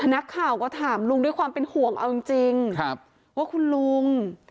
นักข่าวก็ถามลุงด้วยความเป็นห่วงเอาจริงว่าคุณลุง